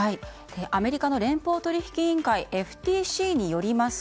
アメリカ連邦取引委員会・ＦＴＣによります